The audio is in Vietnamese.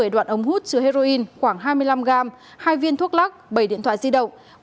một trăm một mươi đoạn ống hút chứa heroin khoảng hai mươi năm g hai viên thuốc lắc bảy điện thoại di động